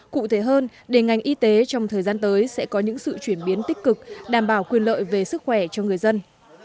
cụ thể hơn để ngành y tế trong thời gian tới sẽ có những sự chuyển biến tích cực đảm bảo quyền lợi về sức khỏe cho người dân